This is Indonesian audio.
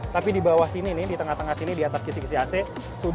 tapi di bawah sini nih di tengah tengah sini di atas kisi kisi ac